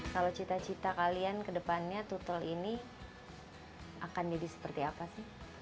kalau cita cita kalian ke depannya tutel ini akan jadi seperti apa sih